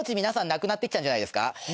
皆さんなくなってきたんじゃないですか？